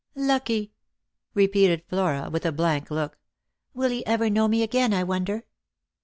" Lucky !" repeated Flora with a blank look. " Will he ever know me again, I wonder?